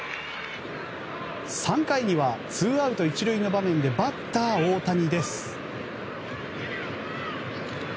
３回にはツーアウト１塁の場面でバッター大谷です。